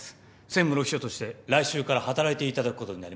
専務の秘書として来週から働いていただくことになりました。